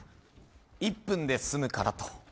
１分で済むからと。